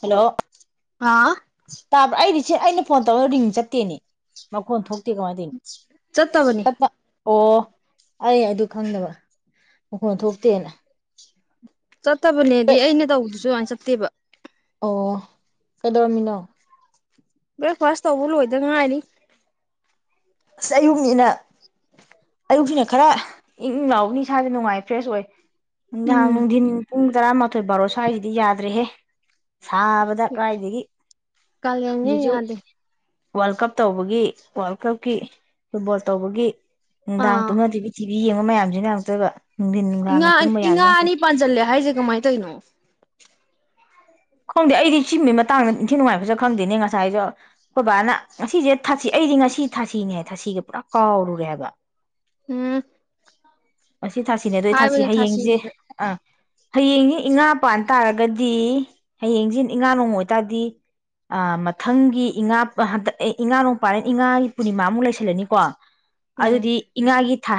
hello ꯑꯥ ꯇꯥꯕ꯭ꯔ ꯑꯩꯗꯤ ꯁꯤ ꯑꯩꯅ ꯐꯣꯟ ꯇꯧꯔꯒ ꯔꯤꯡ ꯆꯠꯇꯦꯅꯦ ꯃꯈꯣꯟ ꯊꯣꯛ ꯆꯠꯇꯕꯅꯤ [unintelligible] ꯑꯣ ꯑꯩ ꯑꯗꯨ ꯈꯪꯗꯕ ꯃꯈꯣꯟ ꯊꯣꯛꯇꯦꯅ ꯆꯠꯇꯕꯅꯦꯗꯤ ꯑꯩꯅ ꯇꯧꯕꯗꯨꯁꯨ ꯆꯠꯇꯦꯕ ꯑꯣ ꯀꯩꯗꯧꯔꯝꯃꯤꯅꯣ ꯕ꯭ꯔꯦꯛꯐꯥꯁ ꯇꯧꯕ ꯂꯣꯏꯗꯉꯥꯏꯔꯤ ꯑꯁ ꯑꯌꯨꯛꯅꯤꯅ ꯑꯌꯨꯛꯁꯤꯅ ꯈꯔ ꯏꯪꯏꯪ ꯂꯥꯎꯅꯤ ꯏꯁꯥꯁꯦ ꯅꯨꯡꯉꯥꯏ ꯐ꯭ꯔꯦꯁ ꯑꯣꯏ ꯅꯨꯡꯗꯥꯡ ꯎꯝ ꯅꯨꯡꯗꯤꯟ ꯄꯨꯡ ꯇꯔꯥꯃꯥ ꯊ ꯕꯥꯔꯣ ꯁ꯭ꯋꯥꯏꯁꯤꯗꯤ ꯌꯥꯗ꯭ꯔꯦꯍꯦ ꯁꯥꯕꯗ ꯀꯥꯏꯗꯒꯤ ꯀꯥꯂꯦꯟꯁꯦ ꯖꯤꯖꯨ ꯌꯥꯗꯦ ꯋꯥꯔꯜ ꯀꯞ ꯇꯧꯕꯒꯤ ꯋꯥꯔꯜ ꯀꯞ ꯀꯤ ꯐꯨꯠꯕꯣꯜ ꯇꯧꯕꯒꯤ ꯅꯨꯡꯗꯥꯡ ꯑꯥ ꯇꯨꯝꯅꯗꯤ ꯄꯤꯊꯤꯕꯤ ꯌꯦꯡꯕ ꯃꯌꯥꯝꯁꯤꯅ ꯑꯃꯨꯛꯇꯣꯏꯕ ꯅꯨꯡꯊꯤꯟ ꯥ ꯏ ꯉꯥ ꯅꯨꯡꯗꯥꯡꯒ ꯑ ꯇꯨꯝꯕ ꯌꯥꯕ ꯏꯉꯥ ꯌꯥꯗꯦ ꯑꯅꯤ ꯄꯥꯟꯁꯤꯜꯂꯦ ꯍꯥꯏꯁꯦ ꯀꯃꯥꯏꯅ ꯇꯧꯔꯤꯅꯣ ꯈꯪꯗꯦ ꯑꯩꯗꯤ ꯁꯤꯒꯨꯝ ꯃꯇꯥꯡꯗ ꯏꯟꯊꯤ ꯅꯨꯡꯉꯥꯏꯅ ꯈꯪꯗꯦꯅꯦ ꯉꯁꯥꯏꯁꯨ ꯑꯩꯈꯣꯏ ꯕꯥꯅ ꯉꯁꯤꯁꯦ ꯊꯥꯁꯤ ꯑꯩꯗꯤ ꯉꯁꯤ ꯊꯥꯁꯤꯅꯦ ꯊꯥꯁꯤꯒ ꯄꯨꯔꯥ ꯀꯥꯎꯔꯨꯔꯦ ꯍꯥꯏꯕ ꯎꯝ [inaudible] ꯉꯁꯤ ꯊꯥꯁꯤꯅꯦ ꯑꯗꯨꯗꯤ ꯊꯥꯁꯤ ꯍꯥꯏꯕꯅꯦ ꯍꯌꯦꯡꯁꯦ ꯊꯥꯁꯤꯅꯦꯅ ꯑꯥ ꯍꯌꯦꯡꯅꯦ ꯏꯉꯥ ꯄꯥꯟ ꯇꯥꯔꯒꯗꯤ ꯍꯌꯦꯡꯁꯤ ꯏꯉꯥ ꯅꯣꯡꯃ ꯑꯣꯏꯇꯥꯔꯗꯤ ꯑ ꯃꯊꯪꯒꯤ ꯏꯉꯥ ꯍꯟꯗꯛ ꯏꯉꯥ ꯅꯣꯡ ꯄꯥꯟ ꯏꯉꯥ ꯄꯨꯔꯅꯤꯃꯥꯃꯨꯛ ꯂꯩꯁꯜꯂꯅꯤꯀꯣ ꯎꯝ ꯑꯗꯨꯗꯤ ꯏꯉꯥꯒꯤ ꯥ ꯊꯥ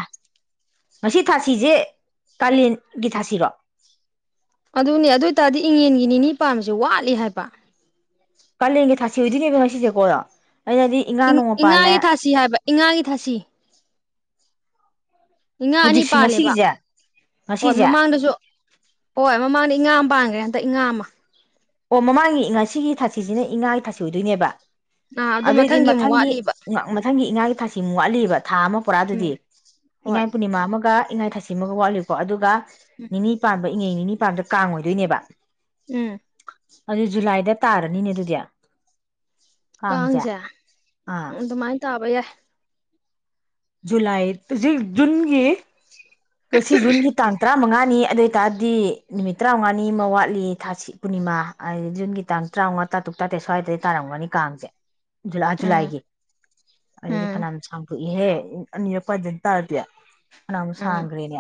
ꯉꯁꯤ ꯊꯥꯁꯤꯁꯦ ꯀꯥꯂꯦꯟꯒꯤ ꯊꯥꯁꯤꯔꯣ ꯑꯗꯨꯅꯦ ꯑꯗꯨ ꯇꯥꯔꯗꯤ ꯏꯪꯉꯦꯟꯒꯤ ꯅꯤꯅꯤ ꯀꯥꯡꯖꯦ ꯋꯥꯠꯂꯤ ꯍꯥꯏꯕ ꯀꯂꯦꯟꯒꯤ ꯊꯥꯁꯤ ꯑꯣꯏꯗꯣꯏꯅꯦꯕ ꯉꯁꯤꯁꯦꯀꯣꯗꯣ ꯏꯉꯥꯒꯤ ꯊꯥꯁꯤ ꯍꯥꯏꯕ ꯏꯉꯥꯒꯤ ꯊꯥꯁꯤ ꯏꯉꯥ ꯑꯅꯤ ꯍꯧꯖꯤꯛꯁꯤ ꯄꯥꯜꯂꯦꯕ ꯉꯁꯤꯒꯤꯁꯦ ꯍꯣꯏ ꯉꯁꯤꯁꯦ ꯃꯃꯥꯡꯗꯁꯨ ꯍꯣꯏ ꯃꯃꯥꯡꯗ ꯏꯉꯥ ꯑꯃ ꯄꯥꯟꯈ꯭ꯔꯦ ꯗ ꯏꯉꯥ ꯑꯃ ꯑꯣ ꯃꯃꯥꯡꯒꯤ ꯉꯁꯤꯒꯤ ꯊꯥꯁꯤꯁꯤꯅ ꯏꯉꯥꯒꯥ ꯊꯥꯁꯤ ꯑꯣꯏꯗꯣꯏꯅꯦꯕ ꯑꯥ ꯑꯗꯨ ꯑꯗꯨꯑꯣꯏꯗꯤ ꯑꯃꯨꯛ ꯃꯊꯪꯒꯤ ꯋꯥꯠꯂꯤꯕ ꯃꯊꯪꯒꯤ ꯏꯉꯥ ꯊꯥꯁꯤꯃꯨꯛ ꯋꯥꯠꯂꯤꯕ ꯊꯥ ꯑꯃ ꯄꯨꯔꯥꯗꯨꯗꯤ ꯎꯝ ꯍꯣꯏ ꯏꯉꯥꯒꯤ ꯄꯨꯔꯅꯤꯃꯥ ꯑꯃꯒ ꯏꯉꯥꯏ ꯊꯥꯁꯤꯃꯒ ꯋꯥꯠꯂꯤꯀꯣ ꯑꯗꯨꯒ ꯎꯝ ꯅꯤꯅꯤ ꯄꯥꯟꯗ ꯏꯪꯉꯦꯟꯒꯤ ꯅꯤꯅꯤ ꯄꯥꯟꯕꯗꯣ ꯀꯥꯡ ꯑꯣꯏꯗꯣꯏꯅꯦꯕ ꯎꯝ ꯑꯗꯨ ꯖꯨꯂꯥꯏꯗ ꯇꯥꯔꯅꯤꯅꯦ ꯑꯗꯨꯗꯤ ꯀꯥꯡꯁꯦ ꯀꯥꯡꯖꯦ ꯑ ꯑꯥ ꯑꯗꯨꯃꯥꯏ ꯇꯥꯕ ꯌꯥꯏ ꯖꯨꯂꯥꯏ ꯖꯨꯟ ꯖꯨꯟꯒꯤ ꯉꯁꯤ ꯖꯨꯟꯒꯤ ꯇꯥꯡ ꯇꯔꯥꯃꯉꯥ ꯅꯤ ꯑꯗꯨꯏ ꯇꯥꯗꯤ ꯅꯨꯃꯤꯠ ꯇꯔꯥꯉꯥꯅꯤ ꯑꯃ ꯋꯥꯠꯂꯤ ꯊꯥꯁꯤ ꯄꯨꯔꯅꯤꯃꯥ ꯑꯥꯗꯨ ꯖꯨꯟꯒꯤ ꯇꯥꯡ ꯇꯔꯥꯉꯥ ꯇꯥꯇꯨꯛ ꯇꯥꯇꯦ ꯁ꯭ꯋꯥꯏꯗꯩ ꯇꯥꯔꯝꯒꯅꯤ ꯀꯥꯡꯁꯦ ꯨ ꯖꯨꯂꯥꯏ ꯎꯝ ꯖꯨꯂꯥꯏꯒꯤ ꯑꯗꯨꯗꯤ ꯎꯝ ꯐꯩꯅꯥꯝꯁꯥꯡ [unintelligible] ꯎꯝ ꯁꯥꯡꯒꯔꯦꯅꯦ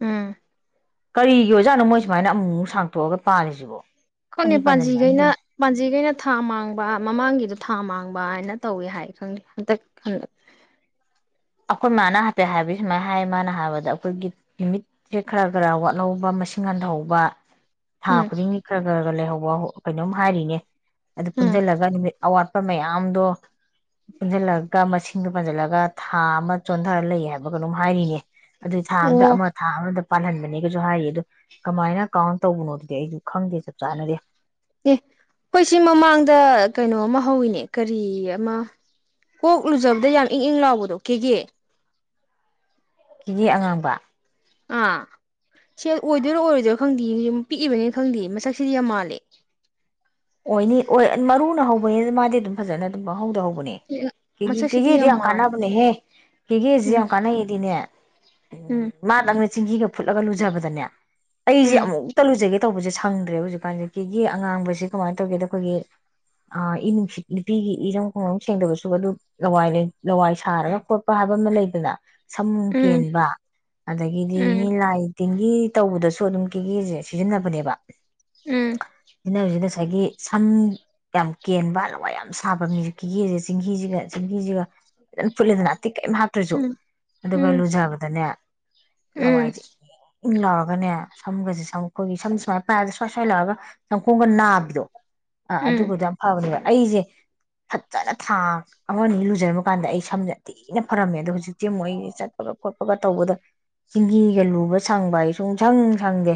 ꯎꯝ ꯀꯔꯤꯒꯤ ꯑꯣꯏꯖꯥꯠꯅꯣ ꯃꯣꯏ ꯁꯨꯃꯥꯏꯅ ꯑꯃꯨꯛꯃꯨꯛ ꯁꯥꯡꯇꯣꯛꯑꯒ ꯄꯥꯜꯂꯤꯖꯤꯕꯣ ꯈꯪꯗꯦ ꯄꯥꯟꯖꯤꯒꯩꯅ ꯄꯥꯟꯖꯤꯒꯩꯅ ꯊꯥ ꯃꯥꯡꯕ ꯃꯃꯥꯡꯒꯤꯗ ꯊꯥ ꯃꯥꯡꯕ ꯕꯅ ꯇꯧꯋꯦ ꯍꯥꯏ ꯈꯪꯗꯦ ꯍꯟꯇꯛ ꯑꯩꯈꯣꯏ ꯃꯥꯅ ꯍꯥꯏꯐꯦꯠ ꯍꯥꯏꯕꯒꯤ ꯁꯨꯃꯥꯏꯅ ꯍꯥꯏ ꯃꯥꯅ ꯍꯥꯏꯕꯗ ꯑꯩꯈꯣꯏꯒꯤ ꯅꯨꯃꯤꯠꯁꯦ ꯈꯔ ꯈꯔ ꯋꯥꯠꯍꯧꯕ ꯃꯁꯤꯡ ꯍꯟꯊꯍꯧꯕ ꯎꯝ ꯊꯥꯈꯨꯗꯤꯡꯒꯤ ꯈ꯭ꯔꯥ ꯂꯩꯍꯧꯕ ꯀꯩꯅꯣꯝ ꯍꯥꯏꯔꯤꯅꯦ ꯑꯗꯨ ꯎꯝ ꯄꯨꯟꯖꯜꯂꯒ ꯅꯨꯃꯤꯠ ꯑꯋꯥꯠ ꯃꯌꯥꯝꯗꯣ ꯄꯨꯟꯖꯟꯂ ꯀ ꯃꯁꯤꯡꯗꯣ ꯄꯥꯟꯖꯜꯂꯒ ꯊꯥ ꯑꯃ ꯆꯣꯟꯗꯔ ꯂꯩ ꯍꯥꯏꯕ ꯀꯩꯅꯣꯝ ꯍꯥꯏꯔꯤꯌꯦ ꯑꯗꯨꯏ ꯊꯥ ꯑꯃꯗ ꯑꯣ ꯑꯃ ꯊꯥ ꯑꯃꯗ ꯄꯥꯜꯍꯟꯕꯅꯦꯒꯁꯨ ꯍꯥꯏꯔꯤꯌꯦ ꯑꯗꯨ ꯀꯃꯥꯏꯅ ꯀꯥꯎꯟ ꯇꯧꯕꯅꯣ ꯑꯗꯨꯗꯤ ꯑꯩꯗꯨ ꯈꯪꯗꯦ ꯆꯞ ꯆꯥꯅꯗꯤ ꯑꯦ ꯑꯩꯈꯣꯏ ꯁꯤ ꯃꯃꯥꯡꯗ ꯀꯩꯅꯣꯃꯥ ꯍꯧꯋꯤꯅꯦ ꯀꯔꯤ ꯑꯃ ꯀꯣꯛ ꯂꯨꯖꯕꯗ ꯌꯥꯝ ꯏꯪ ꯏꯪ ꯂꯥꯎꯕꯗꯣ ꯀꯦꯒꯦ ꯀꯦꯒꯦ ꯑꯉꯥꯡꯕ ꯑꯥ ꯁꯤ ꯑꯣꯏꯗꯣꯏꯔ ꯑꯣꯏꯔꯣꯏꯗꯣꯏꯔ ꯈꯪꯗꯤꯌꯦ ꯄꯤꯛꯏꯕꯅꯤꯅ ꯈꯪꯗꯦ ꯃꯁꯛꯁꯤꯗꯤ ꯌꯥꯝ ꯃꯥꯜꯂꯦ ꯑꯣꯏꯅꯤ ꯑꯣꯏ ꯃꯔꯨꯅ ꯍꯧꯕꯅꯤ ꯃꯥꯗꯤ ꯑꯗꯨꯝ ꯐꯖꯅ ꯑꯗꯨꯝ ꯄꯪꯍꯧꯗꯍꯧꯕ ꯕꯅꯦ ꯃꯁꯛꯁꯤꯗꯤ ꯀꯦꯒꯦꯗꯤ ꯌꯥꯝ ꯃꯥꯜꯂꯦ ꯀꯥꯟꯅꯕꯅꯦꯍꯦ ꯀꯦꯒꯦꯁꯤ ꯌꯥꯝ ꯎꯝ ꯀꯥꯟꯅꯩꯗꯤꯅꯦ ꯎꯝ ꯃꯥꯗꯪ ꯆꯤꯡꯍꯤꯒ ꯐꯨꯠꯂꯒ ꯂꯨꯖꯕꯗꯅꯦ ꯑꯩꯁꯦ ꯎꯝ ꯑꯃꯨꯛꯇ ꯂꯨꯖꯒꯦ ꯇꯧꯕꯁꯦ ꯁꯪꯗ꯭ꯔꯦ ꯍꯧꯖꯤꯛꯀꯥꯟꯁꯦ ꯀꯦꯒꯦ ꯑꯉꯥꯡꯕꯁꯦ ꯀꯃꯥꯏꯅ ꯇꯧꯒꯦꯗ ꯑꯩꯈꯣꯏꯒꯤ ꯏ ꯅꯨꯡꯁꯤꯠ ꯅꯨꯄꯤꯒꯤ ꯏꯔꯝ ꯈꯣꯡꯂꯝ ꯁꯦꯡꯗꯕꯁꯨ ꯑꯗꯨ ꯂꯋꯥꯏ ꯂꯋꯥꯏ ꯁꯥꯔꯒ ꯈꯣꯠꯄ ꯍꯥꯏꯕ ꯑꯃ ꯂꯩꯗꯅ ꯁꯃ ꯎꯝ ꯀꯦꯟꯕ ꯑꯗꯒꯤꯗꯤ ꯎꯝ ꯃꯤꯂꯥꯏ ꯇꯤꯟꯒꯤ ꯇꯧꯕꯗꯁꯨ ꯑꯗꯨꯝ ꯀꯦꯒꯤꯁꯦ ꯁꯤꯖꯤꯟꯅꯕꯅꯦꯕ ꯎꯝ [unintelligible] ꯉꯁꯥꯏꯒꯤ ꯁꯝ ꯌꯥꯝ ꯀꯦꯟꯕ ꯂꯋꯥꯏ ꯌꯥꯝ ꯁꯥꯕ ꯃꯤꯁꯦ ꯀꯤꯒꯦꯁꯦ ꯆꯦꯡꯍꯤꯁꯤꯒ ꯆꯤꯡꯍꯤꯁꯤꯒ ꯐꯖꯅ ꯐꯨꯠꯂꯦꯗꯅ ꯇꯤꯛ ꯀꯩꯝ ꯍꯥꯞꯇ꯭ꯔꯁꯨ ꯎꯝ ꯑꯗꯨꯒ ꯎꯝ ꯂꯨꯖꯕꯗꯅꯦ ꯎꯝ ꯂꯋꯥꯏꯁꯦ ꯏꯪ ꯏꯪ ꯂꯧꯔꯒꯅꯦ ꯁꯝꯒꯁꯦ ꯁꯝ ꯑꯩꯈꯣꯏꯒꯤ ꯁꯝ ꯁꯨꯃꯅ ꯄꯥꯏꯔꯗ ꯁ꯭ꯋꯥ ꯁ꯭ꯋꯥ ꯂꯥꯎꯔꯒ ꯁꯝꯈꯣꯡꯒ ꯅꯕꯤꯠ ꯑꯥ ꯎꯝ ꯑꯗꯨꯒꯗꯨ ꯌꯥꯝ ꯐꯥꯎꯕꯅꯦꯕ ꯑꯩꯁꯦ ꯐꯖꯅ ꯊꯥ ꯑꯃꯅꯤ ꯑꯅꯤ ꯂꯨꯖꯔꯕ ꯀꯥꯟꯗ ꯑꯩ ꯁꯝꯁꯦ ꯊꯤꯅ ꯐꯔꯝꯃꯦ ꯑꯗꯣ ꯍꯧꯖꯤꯛꯇꯤ ꯑꯃꯨꯛ ꯑꯩꯁꯦ ꯆꯠꯄꯒ ꯈꯣꯠꯄꯒ ꯇꯧꯕꯗ ꯆꯤꯡꯍꯤꯒ ꯂꯨꯕ ꯁꯪꯕ ꯌꯦ ꯁꯨꯡ ꯁꯪ ꯁꯪꯗꯦ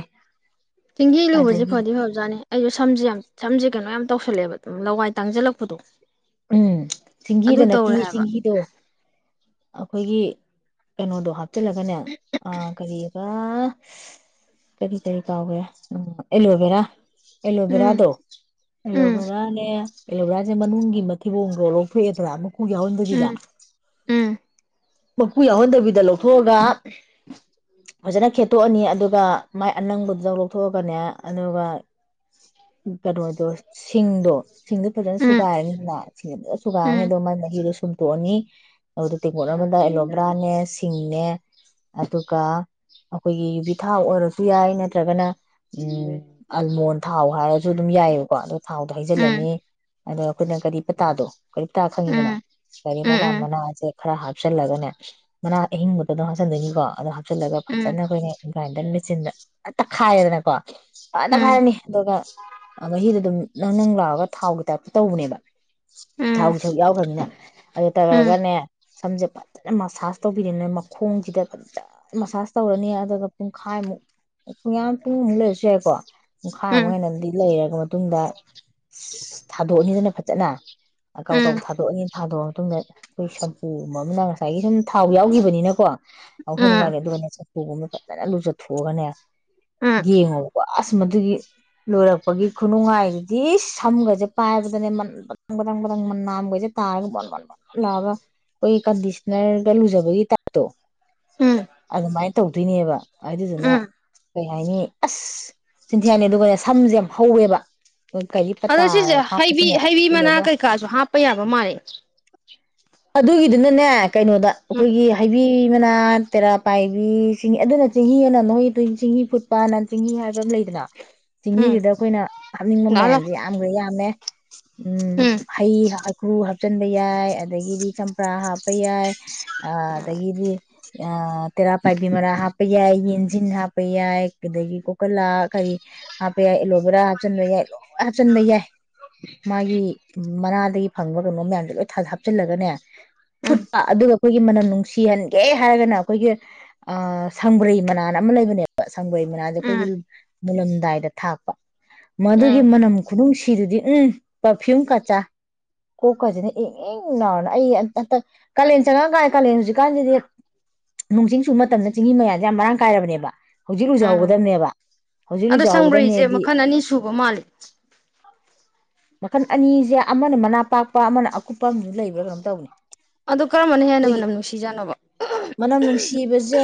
ꯆꯦꯡꯍꯤ ꯂꯨꯕꯁꯤ ꯑꯗꯒꯤ ꯐꯗꯤ ꯐꯕꯖꯥꯅꯤ ꯑꯩꯁꯨ ꯁꯝ ꯌꯥꯝ ꯁꯝꯖꯦ ꯀꯩꯅꯣ ꯌꯥꯝ ꯇꯧꯁꯜꯂꯦꯕ ꯑꯗꯨꯝ ꯂꯋꯥꯏ ꯇꯥꯡꯁꯤꯜꯂꯛꯄꯗꯣ ꯎꯝ ꯑꯗꯨ ꯁꯤꯡꯍꯤꯗ ꯅꯠꯇꯦ ꯇꯧꯔꯦ ꯍꯥꯏꯕ ꯁꯤꯡꯍꯤꯗꯣ ꯑꯩꯈꯣꯏꯒꯤ ꯀꯩꯅꯣꯗꯣ ꯍꯥ ꯆꯆꯜꯂꯒꯅꯦ ꯑ ꯀꯔꯤ ꯑꯥ ꯀꯔꯤ ꯀꯔꯤ ꯀꯥꯎꯒꯦ ꯎꯝ ꯑꯦꯂꯣꯚꯦꯔꯥ ꯎꯝ ꯑꯦꯂꯣꯚꯦꯔꯗꯣ ꯎꯝ ꯑꯦꯂꯣꯚꯦꯔꯅꯦ ꯑꯦꯂꯣꯕꯦꯔꯥ ꯃꯅꯨꯡꯒꯤ ꯀꯤꯕꯣꯡꯗꯣ ꯂꯧꯊꯣꯛꯑꯗ꯭ꯔꯥ ꯑꯃꯨꯛ [inaudible] ꯀꯨ ꯌꯥꯎꯍꯟꯗꯒꯗ ꯎꯝ ꯎꯝ ꯃꯀꯨ ꯌꯥꯎꯍꯟꯗꯕꯤ ꯂꯧꯊꯣꯛꯑꯒ ꯐꯖꯅ ꯈꯦꯠ ꯇꯣꯛꯑꯅꯤ ꯑꯗꯨꯒ ꯃꯥꯏ ꯑꯅꯪꯕꯗꯨꯡ ꯂꯧꯊꯣꯛꯑꯒꯅꯦ ꯑꯗꯨꯒ ꯀꯩꯅꯣꯗꯣ ꯁꯤꯡꯗꯣ ꯁꯤꯡꯗꯣ ꯐꯖꯅ ꯎꯝ ꯁꯨꯒꯥꯏꯔꯅꯤꯗꯅ ꯁꯨꯨꯒꯥꯏꯔꯅꯤ ꯎꯝ ꯃꯥꯏ ꯃꯍꯤ ꯁꯨꯝꯇꯣꯛꯑꯅꯤ ꯑꯗꯨꯣ ꯇꯦꯡꯀꯣꯠꯅꯕꯗ ꯑꯦꯂꯣꯕꯦꯔꯥꯅꯦ ꯁꯤꯡꯅꯦ ꯑꯗꯨꯒ ꯑꯩꯈꯣꯏꯒꯤ ꯌꯨꯕꯤ ꯊꯥꯎ ꯑꯣꯏꯔꯁꯨ ꯌꯥꯏ ꯅꯠꯇ꯭ꯔꯒꯅ ꯎꯝ ꯑꯜꯃꯣꯟ ꯊꯥꯎ ꯍꯥꯏꯔꯁꯨ ꯑꯗꯨꯝ ꯌꯥꯏꯑꯕꯀꯣ ꯊꯥꯎꯗꯣ ꯎꯝ ꯍꯩꯖꯤꯜꯂꯅꯤ ꯑꯗꯣ ꯑꯩꯈꯣꯏꯅ ꯀꯔꯤ ꯀꯔꯤ ꯄꯇꯥꯗꯣ ꯀꯔꯤꯞ ꯇꯥ ꯎꯝ ꯈꯪꯉꯤꯗꯅ ꯎꯝ ꯎꯝ ꯎꯝ ꯎꯝ ꯎꯝ ꯀꯔꯤꯄꯇ ꯃꯅꯥꯁꯦ ꯈꯔ ꯍꯥꯞꯆꯜꯂꯒꯅꯦ ꯃꯅꯥ ꯑꯍꯤꯡꯕꯛꯇ ꯑꯗꯨꯝ ꯍꯥꯞꯆꯟꯗꯣꯏꯅꯤꯀꯣ ꯑ ꯍꯞꯆꯤꯜꯂꯒꯥ ꯎꯝ ꯐꯖꯅ ꯑꯩꯈꯣꯏꯅ ꯒ꯭ꯔꯥꯏꯟ ꯆꯤꯟꯗ ꯇꯛꯈꯥꯏꯔꯦꯗꯅꯀꯣ ꯎꯝ ꯐꯟꯇꯈꯥꯏꯔꯅꯤ ꯑꯗꯨꯒ ꯃꯍꯤꯗꯣ ꯑꯗꯨꯝ ꯅꯪ ꯅꯪ ꯂꯥꯎꯔꯒ ꯊꯥꯎꯒꯤ ꯇꯥꯏꯞꯇ ꯇꯧꯕꯅꯦꯕ ꯊꯥꯎꯒꯤ ꯁꯔꯨꯛ ꯌꯥꯎꯈ꯭ꯔꯅꯤꯅ ꯑꯗꯨ ꯇꯧꯔꯒꯅꯦ ꯁꯝꯁꯦ ꯐꯖꯅ ꯃꯁꯥꯁ ꯇꯧꯕꯤꯔꯦꯅ ꯃꯈꯣꯡꯁꯤꯗ ꯐꯖꯅ ꯃꯁꯥꯁ ꯇꯧꯔꯅꯤ ꯑꯗꯨꯒ ꯄꯨꯡꯈꯥꯏꯃꯨꯛ ꯄꯨꯡꯌꯥ ꯄꯨꯡꯃꯨꯛ ꯂꯩꯔꯁꯨ ꯌꯥꯏꯀꯣ ꯄꯨꯡꯈꯥꯏꯃꯨꯛ ꯍꯦꯟꯅꯗꯤ ꯂꯩꯔꯕ ꯃꯇꯨꯡꯗ ꯊꯥꯗꯣꯛꯑꯅꯤꯗꯅ ꯐ ꯆꯠꯅ ꯑ ꯀꯥꯕꯛ ꯀꯥꯕꯛ ꯊꯥꯗꯣꯛꯑꯅꯤ ꯊꯥꯗꯣꯛꯑ ꯃꯇꯨꯡꯗ ꯑꯈꯣꯏ ꯁꯝꯄꯨꯒꯨꯝꯕ ꯑꯃꯅ ꯉꯁꯥꯏꯒꯤ ꯁꯨꯝ ꯊꯥꯎ ꯌꯥꯎꯒꯤꯕꯅꯤꯅꯀꯣ [unintelligible] ꯎꯒꯑꯃꯗ ꯐꯖꯅ ꯂꯨꯖꯊꯣꯛꯑꯒꯅꯦ ꯌꯦꯉꯣꯕꯀꯣ ꯑꯁ ꯃꯗꯨꯒꯤ ꯂꯣꯏꯔꯛꯄꯒꯤ ꯈꯨꯅꯨꯡꯉꯥꯏꯗꯨꯗꯤ ꯢꯁ ꯁꯝꯒꯁꯦ ꯄꯥꯏꯕꯗꯅꯦ ꯃꯟ ꯕꯠ ꯪꯕꯗꯪ ꯕꯗꯪ ꯃꯅꯥꯝꯒꯁꯦ ꯇꯥꯔꯒ ꯕꯣꯟ ꯕꯣꯟ ꯕꯣꯟ ꯂꯥꯎꯔꯒ ꯑꯈꯣꯏꯒꯤ ꯀꯟꯗꯤꯁꯅꯔꯒ ꯂꯨꯖꯕꯒꯤ ꯇꯥꯏꯞꯇꯣ ꯎꯝ ꯎꯝ ꯎꯝ ꯑꯗꯨꯃꯥꯏꯅ ꯇꯧꯗꯣꯏꯅꯦꯕ ꯑꯗꯨꯗꯨꯅ ꯎꯝ ꯀꯩ ꯍꯥꯏꯅꯤ ꯑꯁ ꯆꯤꯟꯊꯤ ꯍꯥꯏꯅꯤ ꯑꯗꯨꯒꯅꯦ ꯁꯝꯁꯦ ꯌꯥꯝ ꯍꯧꯋꯦꯕ ꯀꯔꯤ ꯄꯇꯥ ꯑꯗꯣ ꯁꯤꯁꯦ ꯍꯩꯕꯤ ꯍꯥꯞꯄꯁꯤꯅꯦ ꯍꯩꯕꯤ ꯃꯅꯥ ꯇꯤꯜꯂꯣꯒ꯭ꯔꯥ ꯀꯩꯀꯥꯁꯨ ꯍꯥꯞꯄ ꯌꯥꯕ ꯃꯥꯜꯂꯦ ꯑꯗꯨꯒꯤꯗꯨꯅꯅꯦ ꯀꯩꯅꯣꯗ ꯎꯝ ꯑꯈꯣꯏꯒꯤ ꯍꯩꯕꯤ ꯅꯣꯏꯅꯥ ꯇꯦꯔꯥ ꯄꯥꯏꯕꯤ ꯆꯤꯡꯍꯤ ꯑꯗꯨꯅ ꯆꯦꯡꯍꯤ ꯑꯅ ꯅꯣꯏ ꯆꯤꯡꯍꯤ ꯐꯨꯠꯄ ꯅ ꯆꯤꯡꯍꯤ ꯍꯥꯏꯕ ꯑꯃ ꯂꯩꯗꯅ ꯎꯝ ꯆꯦꯡꯍꯤꯗꯨꯗ ꯑꯈꯣꯏꯅ ꯍꯥꯞꯅꯤꯡꯕ ꯂꯥꯛꯑꯣ ꯃꯌꯥꯟꯖꯦ ꯂꯥꯛꯑꯣ ꯌꯥꯝꯈꯒ꯭ꯔꯦ ꯌꯥꯝꯃꯦ ꯎꯝ ꯍꯩ ꯍ ꯍ ꯀ꯭ꯔꯨ ꯍꯥꯞꯆꯟꯕ ꯌꯥꯏ ꯑꯗꯒꯤꯗꯤ ꯆꯝꯄ꯭ꯔꯥ ꯍꯥꯞꯄ ꯌꯥꯏ ꯑ ꯑꯗꯒꯤꯗꯤ ꯑ ꯇꯦꯔꯥ ꯄꯥꯏꯕꯤ ꯃꯔꯥ ꯍꯥꯞꯄ ꯌꯥꯏ ꯌꯦꯟꯖꯤꯟ ꯍꯥꯞꯄ ꯌꯥꯏ ꯑꯗꯒꯤ ꯀꯣꯀꯂꯥ ꯀꯔꯤ ꯍꯥꯞꯄ ꯌꯥꯏ ꯑꯦꯂꯣꯕꯦꯔꯥ ꯍꯥꯞꯆꯟꯕ ꯌꯥꯏ ꯂꯣꯏ ꯍꯥꯞꯆꯟꯕ ꯌꯥꯏ ꯃꯥꯒꯤ ꯃꯅꯥꯗꯒꯤ ꯐꯪꯕ ꯀꯩꯅꯣ ꯃꯌꯥꯝꯗꯣ ꯂꯣꯏ ꯊ ꯊꯥꯞ ꯍꯥꯞꯆꯤꯜꯂꯒꯅꯦ ꯎꯝ ꯐꯨꯠꯄ ꯑꯗꯨꯒ ꯑꯈꯣꯏꯒꯤ ꯃꯅꯝ ꯅꯨꯡꯁꯤꯍꯟꯒꯦ ꯍꯥꯏꯔꯒꯅ ꯑꯈꯣꯏꯒꯤ ꯑ ꯁꯪꯕ꯭ꯔꯩ ꯃꯅꯥ ꯑꯅ ꯑꯃ ꯂꯩꯕꯅꯦꯕ ꯁꯪꯕ꯭ꯔꯩ ꯃꯅꯥꯖꯦ ꯑꯈꯣꯏꯒꯤ ꯎꯝ ꯃꯨꯜꯂꯝꯗꯥꯏꯗ ꯊꯥꯛꯄ ꯃꯗꯨꯒꯤ ꯎꯝ ꯃꯅꯝ ꯈꯨꯅꯨꯡꯁꯤꯗꯨꯗꯤ ꯎꯝ ꯄꯔꯐ꯭ꯌꯨꯝ ꯀꯆꯥ ꯀꯣꯛꯀꯥꯁꯤꯅ ꯏꯪ ꯏꯪ ꯂꯥꯎꯔꯅ ꯑꯩ ꯑꯝꯇ ꯍꯟꯇꯛ ꯀꯥꯂꯦꯟ ꯆꯪꯉꯛꯑꯀꯥꯟ ꯀꯥꯂꯦꯟ ꯍꯧꯖꯤꯛꯀꯥꯟꯖꯤꯗꯤ ꯅꯣꯡ ꯆꯤꯡ ꯆꯨꯕ ꯃꯇꯝꯅꯤꯟ ꯆꯤꯡꯍꯤ ꯃꯌꯥꯟꯖꯦ ꯌꯥꯝ ꯃꯔꯥꯡ ꯀꯥꯏꯔꯕꯅꯦꯕ ꯍꯧꯖꯤꯛ ꯎꯝ ꯂꯨꯖꯍꯧꯒꯗꯕꯅꯦꯕ ꯍꯧꯖꯤꯛ ꯑꯗꯣ ꯁꯪꯕ꯭ꯔꯩꯁꯦ ꯂꯨꯖꯍꯧꯒꯗꯕꯅꯦꯗꯤ ꯃꯈꯜ ꯑꯅꯤ ꯁꯨꯕ ꯃꯥꯜꯂꯤ ꯃꯈꯟ ꯑꯅꯤꯖꯦ ꯑꯃꯅ ꯃꯅꯥ ꯄꯥꯛꯄ ꯑꯃꯅ ꯀꯨꯞꯄꯝꯖꯨ ꯂꯩꯕ꯭ꯔꯥ ꯀꯩꯅꯝ ꯇꯧꯅꯦ ꯑꯗꯣ ꯀꯔꯝꯕꯅ ꯍꯦꯟꯅ ꯑꯈꯣꯏꯒꯤ ꯃꯅꯝ ꯅꯨꯡꯁꯤꯖꯥꯠꯅꯣꯕ ꯃꯅꯝ ꯅꯨꯡꯁꯤꯕꯖꯦ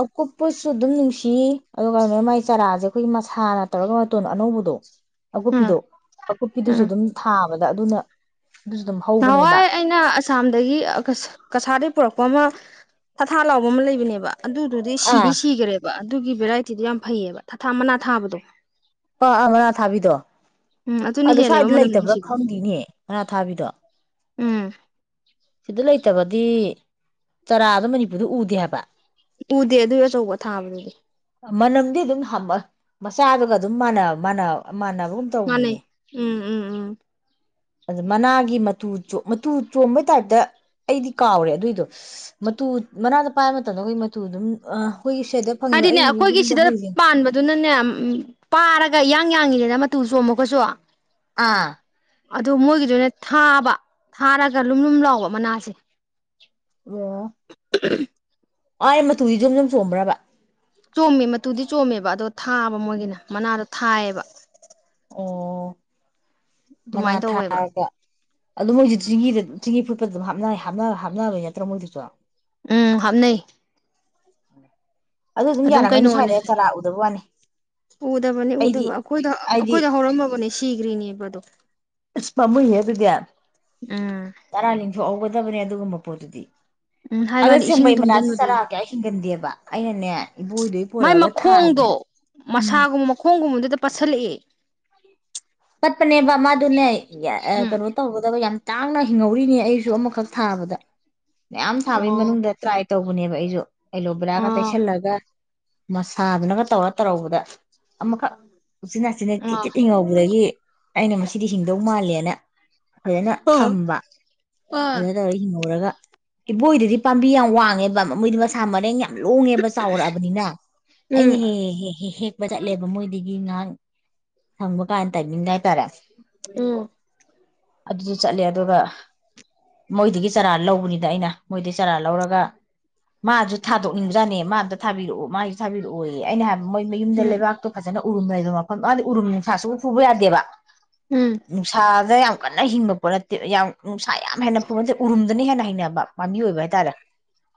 ꯑꯀꯨꯞ ꯄꯨꯁ ꯑꯗꯨꯝ ꯅꯨꯡꯁꯤ ꯑꯗꯨꯒ ꯃꯥꯏ ꯆꯔꯥꯖꯦ ꯑꯈꯣꯏꯒꯤ ꯃꯁꯥꯅ ꯇꯩꯔꯒ ꯃꯇꯣꯟ ꯑꯅꯧꯕꯗꯣ ꯎꯝ ꯑꯀꯨꯞꯄꯤꯗꯣ ꯑꯀꯨꯞꯄꯤꯗꯨꯁꯨ ꯎꯝ ꯑꯗꯨꯝ ꯊꯥꯕ ꯑꯗ ꯑꯗꯨꯅ ꯑꯗꯨꯝ ꯍꯧꯕꯅꯦꯕ ꯅꯍꯥꯋꯥꯏ ꯑꯩꯅ ꯑꯁꯥꯝꯗꯒꯤ ꯀꯁꯥꯔꯗꯩ ꯄꯨꯔꯛꯄ ꯑꯃ ꯊꯊꯥ ꯂꯥꯎꯕ ꯑꯃ ꯂꯩꯕꯅꯦꯕ ꯑꯗꯨꯗꯨꯗꯤ ꯁꯤꯗꯤ ꯑꯥ ꯁꯤꯒ꯭ꯔꯦꯕ ꯑꯗꯨꯒꯤ ꯚꯦꯔꯥꯏꯇꯤꯗꯣ ꯌꯥꯝ ꯐꯩꯌꯦꯕ ꯊꯥꯊꯥ ꯃꯅꯥ ꯊꯥꯕꯗꯣ ꯄꯥꯑꯥ ꯃꯅꯥ ꯊꯥꯕꯤꯗꯣ ꯎꯝ ꯑꯗꯨꯅ ꯑꯗꯣ ꯍꯦꯜꯂꯦꯕ ꯁ꯭ꯋꯥꯏꯗ ꯃꯅꯝ ꯂꯩꯇꯕ꯭ꯔꯥ ꯅꯨꯡꯁꯤꯕ ꯈꯪꯗꯤꯅꯦ ꯃꯅꯥ ꯊꯥꯕꯤꯗꯣ ꯎꯝ ꯁꯤꯗ ꯂꯩꯇꯕ ꯗꯤ ꯆꯔꯥꯗꯣ ꯃꯅꯤꯄꯨꯔꯗ ꯎꯗꯦ ꯍꯥꯏꯕ ꯎꯗꯦ ꯑꯗꯨꯏ ꯑꯆꯧꯕ ꯊꯥꯕꯗꯨꯗꯤ ꯃꯅꯝꯗꯤ ꯑꯗꯨꯝ ꯍꯝꯃ ꯃꯆꯥꯗꯨꯒ ꯑꯗꯨꯝ ꯃꯥꯅ ꯃꯥꯅ ꯃꯥꯟꯅꯕꯒꯨꯝ ꯇꯧꯌꯤꯅꯦ ꯃꯥꯟꯅꯩ ꯎꯝ ꯎꯝ ꯑꯗꯨ ꯃꯅꯥꯒꯤ ꯃꯇꯨ ꯆꯣ ꯃꯇꯨ ꯆꯣꯡꯕꯩ ꯇꯥꯏꯞꯇ ꯑꯩꯗꯤ ꯀꯥꯎꯔꯦ ꯑꯗꯨꯏꯗꯣ ꯃꯇꯨ ꯃꯅꯥꯗ ꯄꯥꯏꯕ ꯃꯇꯝꯗ ꯑꯩꯈꯣꯏ ꯃꯇꯨ ꯑꯗꯨꯝ ꯑ ꯍꯥꯏꯗꯤꯅꯦ ꯑꯩꯈꯣꯏꯒꯤ ꯁꯤꯗ ꯄꯥꯟꯕꯗꯨꯅꯅꯦ ꯄꯥꯔꯒ ꯌꯥꯡ ꯌꯥꯡꯉꯤꯗꯅ ꯃꯇꯨ ꯆꯣꯝꯃꯒꯖꯨ ꯑꯥ ꯑꯗꯣ ꯃꯣꯏꯒꯤꯗꯨꯅ ꯊꯥꯕ ꯊꯥꯔꯒ ꯂꯨꯝ ꯂꯨꯝ ꯂꯥꯎꯕ ꯃꯅꯥꯁꯦ ꯑꯣ [inaudible] ꯑꯥꯏ ꯃꯇꯨꯖꯦ ꯖꯣꯝ ꯖꯣꯝ ꯆꯣꯡꯕ꯭ꯔꯕ ꯆꯣꯃꯦ ꯃꯇꯨꯗꯤ ꯆꯣꯝꯃꯦꯕ ꯑꯗꯣ ꯊꯥꯕ ꯃꯣꯏꯒꯤꯅ ꯃꯅꯥꯗ ꯊꯥꯏꯌꯦꯕ ꯑꯣ ꯃꯅꯥ ꯑꯗꯨꯃꯥꯏꯅ ꯇꯧꯋꯦꯕ ꯊꯥꯔꯒ ꯑꯗꯣ ꯃꯣꯏꯖꯨ ꯆꯤꯡꯍꯤꯗ ꯆꯤꯡꯍꯤ ꯐꯨꯠꯄꯗ ꯑꯗꯨꯝ ꯍꯥꯞꯅꯩ ꯍꯥꯞꯅ ꯍꯥꯞꯅꯕ ꯅꯠꯇ꯭ꯔꯣ ꯃꯣꯏꯗꯨꯖꯨ ꯎꯝ ꯍꯥꯞꯅꯩ [inaudible] ꯑꯗꯨ ꯑꯗꯨꯝ ꯌꯥꯔꯝꯒꯅꯤ ꯀꯩꯅꯣꯅꯦ ꯁ꯭ꯋꯥꯏꯗ ꯆꯔꯥ ꯎꯗꯕ ꯋꯥꯅꯤ ꯎꯗꯕꯅꯤ ꯑꯩꯗꯤ ꯎꯗꯕ ꯑꯩꯈꯣꯏꯗ ꯑꯩꯗꯤ ꯑꯩꯈꯣꯏꯗ ꯍꯧꯔꯝꯃꯕꯅꯤ ꯁꯤꯒ꯭ꯔꯤꯅꯤꯕꯗꯣ ꯑꯁ ꯄꯥꯝꯃꯨꯏꯍꯦ ꯑꯗꯨꯗꯤ ꯎꯝ ꯇꯔꯥ ꯂꯤꯡꯊꯣꯛꯑꯧꯕ ꯐꯕꯅꯦ ꯑꯗꯨꯒꯨꯝꯕ ꯄꯣꯠꯇꯨꯗꯤ ꯎꯝ ꯍꯥꯏ ꯑꯗꯣ ꯃꯥꯗꯤ ꯏꯁꯤꯡ ꯁꯦꯡꯕꯩ ꯃꯅꯥꯁꯦ ꯊꯨꯝꯖꯤꯟꯕꯗꯒꯤ ꯆꯔꯥ ꯀꯌꯥ ꯍꯤꯡꯒꯟꯗꯦꯕ ꯑꯩꯅꯅꯦ ꯏꯕꯣꯏꯗꯩ ꯃꯥꯏ ꯄꯨꯔꯛꯑꯒ ꯃꯈꯣꯡꯗꯣ ꯊꯥꯕꯅꯦꯕ ꯎꯝ ꯄꯁꯜꯂꯛꯑꯦ ꯄꯠꯄꯅꯦꯕ ꯃꯥꯗꯨꯅꯦ ꯌꯥ ꯎꯝ ꯀꯅꯣ ꯇꯧꯒꯗꯕ ꯌꯥꯝ ꯇꯥꯡꯅ ꯍꯤꯡꯍꯧꯔꯤꯅꯦ ꯑꯩꯁꯨ ꯑꯃꯈꯛ ꯊꯥꯕꯗ ꯃꯌꯥꯝ ꯊꯥꯕꯩ ꯑꯣ ꯃꯅꯨꯡꯗ ꯇ꯭ꯔꯥꯏ ꯇꯧꯕꯅꯦꯕ ꯑꯩꯖꯨ ꯑꯦꯂꯣꯕꯔꯥꯒ ꯑ ꯇꯩꯁꯜꯂꯒ ꯃꯁꯥꯗꯨꯅꯒ ꯇꯧꯔ ꯇꯧꯔꯕꯗ ꯑꯃꯈꯛ ꯎꯆꯤꯟꯅꯥꯆꯤꯟꯅ ꯑ ꯇꯤꯠ ꯇꯤꯠ ꯍꯤꯡꯍꯧꯕꯗꯒꯤ ꯑꯩꯅ ꯃꯁꯤꯗꯤ ꯍꯤꯡꯗꯧ ꯃꯥꯜꯂꯦꯅ ꯐꯖꯅ ꯊꯝꯕ ꯑꯗ ꯑ ꯇꯧꯔꯒ ꯍꯤꯡꯍꯧꯔꯒ ꯏꯕꯣꯏꯗꯗꯤ ꯄꯥꯝꯕꯤ ꯌꯥꯝ ꯋꯥꯡ ꯄꯥꯟ ꯃꯣꯏꯗꯤ ꯃꯔꯦꯡ ꯌꯥꯝ ꯂꯣꯡꯉꯦꯕ ꯆꯥꯎꯔꯛꯑꯕꯅꯤꯅ ꯎꯝ ꯑꯩꯅ ꯍꯦ ꯍꯦ ꯍꯦ ꯍꯦ ꯍꯦꯛꯄ ꯆꯠꯂꯦꯕ ꯃꯣꯏꯗꯒꯤ ꯒꯤ ꯉꯥꯟ ꯁꯪꯕ ꯀꯥꯟ ꯇꯥꯏꯃꯤꯡ ꯅ ꯎꯝ ꯑꯗꯨꯁꯨ ꯆꯠꯂꯦ ꯑꯗꯨꯒ ꯃꯣꯏꯗꯒꯤ ꯆꯔꯥ ꯂꯧꯕꯅꯤꯗ ꯑꯩꯅ ꯃꯣꯏꯗꯩ ꯆꯥꯔꯥ ꯂꯧꯔꯒ ꯃꯥꯁꯨ ꯊꯥꯗꯣꯛ ꯖꯥꯅꯦ ꯃꯥ ꯑꯝꯇ ꯊꯕꯤꯔꯛꯑꯣ ꯃꯥꯒꯤꯁꯨ ꯊꯥꯕꯤꯔꯛꯑꯣ ꯑꯩꯅ ꯍꯥꯏꯕ ꯃꯣꯏ ꯃꯌꯨꯝꯗ ꯎꯝ ꯂꯩꯕꯥꯛꯇꯣ ꯐꯖꯅ ꯎꯔꯨꯝꯂꯩꯕ ꯃ ꯃꯗꯤ ꯎꯔꯨꯝ ꯅꯨꯡꯁꯥ ꯁꯨ ꯐꯨꯕ ꯌꯥꯗꯦꯕ ꯎꯝ ꯅꯨꯡꯁꯥꯗ ꯌꯥꯝ ꯀꯟꯅ ꯍꯤꯡꯕ ꯄꯣꯠ ꯅꯠꯇꯦ ꯌꯥꯝ ꯅꯨꯡꯁꯥꯏ ꯌꯥꯝ ꯍꯦꯟꯅ ꯐꯨꯕ ꯅꯠꯇꯦ ꯎꯔꯨꯝꯗꯅ ꯍꯦꯟꯅ ꯅꯦꯕ ꯄꯥꯝꯕꯤ ꯑꯣꯏꯕ ꯍꯥꯏꯇꯥꯔꯦ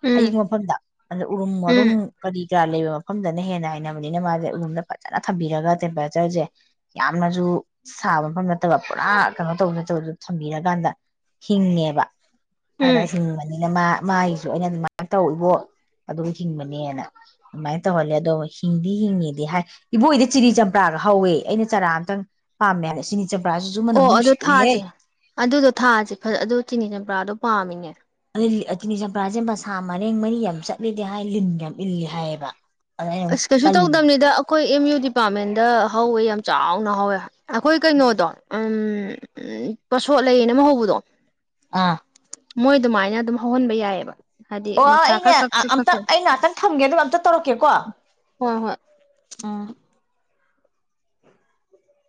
ꯎꯝ ꯑꯌꯤꯡꯕ ꯃꯐꯝꯗ ꯑꯗ ꯎꯔꯨꯝ ꯋꯥꯔꯨꯝ ꯎꯝ ꯀꯔꯤ ꯥꯀꯌꯥ ꯂꯩꯕ ꯃꯐꯝꯗꯅ ꯍꯦꯟꯅ ꯍꯩꯅꯕꯅꯤꯅ ꯃꯥꯖꯦ ꯎꯔꯨꯝꯗ ꯐꯖꯅ ꯊꯝꯕꯤꯔꯒ ꯇꯦꯝꯄꯔꯦꯆꯔꯖꯦ ꯌꯥꯝꯅꯁꯨ ꯁꯥꯕ ꯃꯐꯝ ꯅꯠꯇꯕ ꯄꯨꯔꯥ ꯀꯩꯅꯣ ꯇꯧꯕ ꯅꯠꯇꯕꯁꯨ ꯊꯝꯕꯤꯔꯀꯥꯟꯗ ꯍꯤꯡꯉꯦꯕ ꯎꯝ ꯑꯗꯩꯁꯨ ꯃꯨꯕ ꯅꯤꯅ ꯃꯥ ꯃꯥꯒꯤꯁꯨ ꯑꯩꯅ ꯑꯗꯨꯃꯥꯏꯅ ꯇꯧ ꯔꯨꯕꯣ ꯑꯗꯨꯝ ꯍꯤꯡꯕꯅꯦꯅ ꯑꯗꯨꯃꯥꯏꯅ ꯇꯧꯍꯜꯂꯦ ꯑꯗꯣ ꯍꯤꯡꯗꯤ ꯍꯤꯡꯉꯤꯗꯤ ꯍꯥꯏ ꯏꯕꯣꯏ ꯍꯣꯏꯗ ꯆꯤꯅꯤ ꯆꯝꯄ꯭ꯔꯥꯒ ꯍꯧꯋꯦ ꯑꯩꯅ ꯆꯔꯥ ꯑꯃꯇꯪ ꯄꯥꯝꯃꯦ ꯆꯤꯅꯤ ꯆꯝꯄ꯭ꯔꯥꯁꯤꯁꯨ ꯑꯣ ꯃꯅꯝꯗꯤ ꯑꯗꯨ ꯅꯨꯡꯁꯤꯕꯅꯤꯍꯦ ꯊꯥꯁꯦ ꯑꯗꯨꯗꯣ ꯊꯥꯥꯁꯦ ꯑꯗꯨ ꯆꯤꯅꯤ ꯆꯝꯄ꯭ꯔꯥꯗꯣ ꯄꯥꯝꯃꯤꯅꯦ ꯏꯜ ꯑꯗꯨꯅꯤ ꯆꯤꯅꯤ ꯆꯝꯄ꯭ꯔꯥꯁꯦ ꯃꯁꯥ ꯃꯔꯦꯡ ꯃꯔꯤ ꯌꯥꯝ ꯆꯠꯂꯤꯗꯤ ꯍꯥꯏ ꯂꯤꯟꯒ ꯌꯥꯝ ꯏꯜꯂꯦꯗꯤ ꯍꯥꯏꯌꯦꯕ ꯑꯗ ꯑꯩꯅ ꯑꯁ ꯀꯩꯁꯨ ꯇꯜꯂꯤ ꯇꯧꯗꯝꯅꯤꯗ ꯑꯩꯈꯣꯏ ꯑꯦꯝ ꯌꯨ ꯗꯤꯄꯥꯔꯠꯃꯦꯟꯗ ꯍꯧꯋꯦ ꯌꯥꯝ ꯆꯥꯎꯅ ꯍꯧꯋꯦ ꯑꯩꯈꯣꯏ ꯀꯩꯅꯣꯗꯣ ꯎꯝ ꯎꯝ ꯎꯝ ꯄꯁꯣꯠ ꯂꯩꯅ ꯑꯃ ꯍꯧꯕꯗꯣ ꯑꯥ ꯃꯣꯏ ꯑꯗꯨꯃꯥꯏꯅ ꯑꯗꯨꯝ ꯍꯧꯍꯟꯕ ꯌꯥꯏꯌꯦꯕ ꯑꯣ ꯑꯩꯅꯦ ꯑꯝꯇ ꯑꯩ ꯉꯍꯥꯛꯇꯪ ꯊꯝꯒꯦ ꯑꯗꯨꯒ ꯑꯝꯇ ꯇꯧꯔꯛꯀꯦꯀꯣ ꯍꯣꯏ ꯍꯣꯏ ꯎꯝ